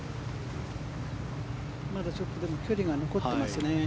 まだちょっとでも距離が残ってますね。